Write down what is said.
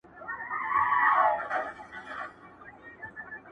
يوه ورځ باران کيږي او کلي ته سړه فضا راځي